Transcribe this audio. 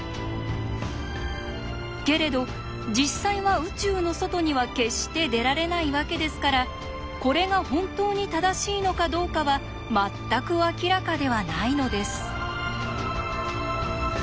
けれど実際は宇宙の外には決して出られないわけですからこれが本当に正しいのかどうかは全く明らかではないのです。